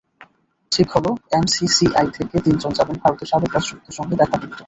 ঠিক হলো এমসিসিআই থেকে তিনজন যাবেন ভারতের সাবেক রাষ্ট্রপতির সঙ্গে দেখা করতে।